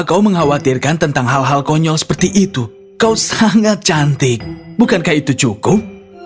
kau mengkhawatirkan tentang hal hal konyol seperti itu kau sangat cantik bukankah itu cukup